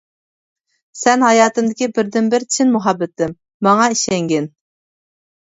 سەن ھاياتىمدىكى بىردىنبىر چىن مۇھەببىتىم، ماڭا ئىشەنگىن.